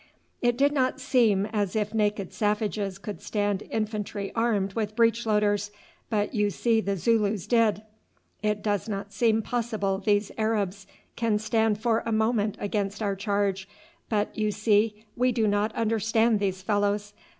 "It did not seem as if naked savages could stand infantry armed with breech loaders, but you see the Zulus did. It does not seem possible these Arabs can stand for a moment against our charge; but, you see, we do not understand these fellows.